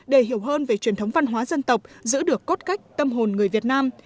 để hiểu hơn về truyền thống văn hóa dân tộc giữ được cốt cách tâm hồn người việt nam